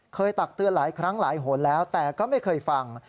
ตักเตือนหลายครั้งหลายหนแล้วแต่ก็ไม่เคยฟัง